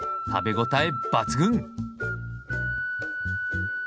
食べ応え抜群！